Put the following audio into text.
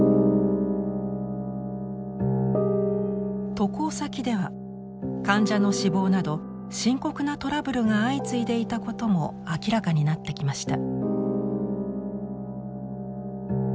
渡航先では患者の死亡など深刻なトラブルが相次いでいたことも明らかになってきました。